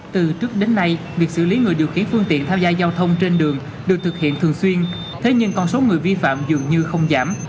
từ trước đến nay việc xử lý người điều khiển phương tiện tham gia giao thông trên đường được thực hiện thường xuyên thế nhưng con số người vi phạm dường như không giảm